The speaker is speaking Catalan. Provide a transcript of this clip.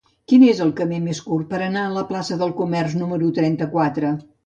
Quin és el camí més curt per anar a la plaça del Comerç número trenta-quatre?